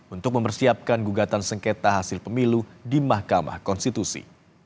untuk mempersiapkan gugatan sengketa hasil pemilu di mahkamah konstitusi